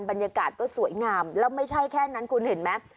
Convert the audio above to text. บรรยากาศก็สวยงามแล้วไม่ใช่แค่นั้นคุณเห็นไหม